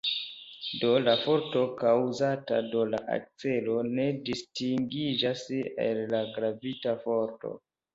Do la forto kaŭzata de la akcelo ne distingiĝas el la gravita forto.